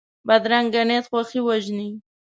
بدرنګه نیت خوښي وژني